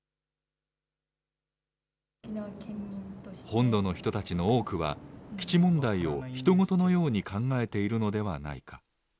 本土の人たちの多くは、基地問題をひと事のように考えているのではないか。